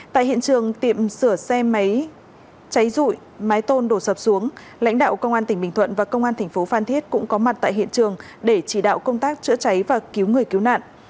tại hiện trường tiệm sửa xe máy cháy rụi mái tôn đổ sập xuống lãnh đạo công an tỉnh bình thuận và công an thành phố phan thiết cũng có mặt tại hiện trường để chỉ đạo công tác chữa cháy và cứu người cứu nạn